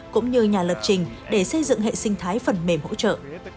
cũng như nhà lập trình để xây dựng hệ sinh thái phần mềm hỗ trợ